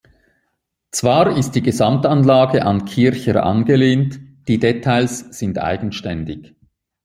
Zwar ist die Gesamtanlage an Kircher angelehnt, die Details sind eigenständig.